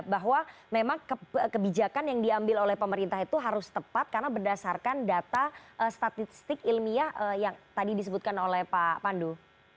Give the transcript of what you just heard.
bahwa memang kebijakan yang diambil oleh pemerintah itu harus tepat karena berdasarkan data statistik ilmiah yang tadi disebutkan oleh pak pandu